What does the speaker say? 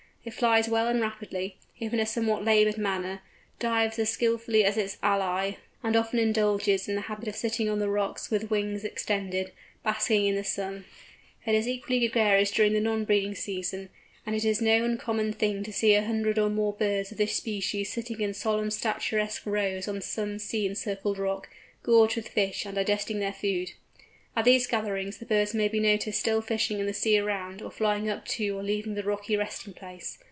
It flies well and rapidly, if in a somewhat laboured manner, dives as skilfully as its ally, and often indulges in the habit of sitting on the rocks with wings extended, basking in the sun. It is equally gregarious during the non breeding season, and it is no uncommon thing to see a hundred or more birds of this species sitting in solemn statuesque rows on some sea encircled rock, gorged with fish and digesting their food. At these gatherings many birds may be noticed still fishing in the sea around, or flying up to or leaving the rocky resting place.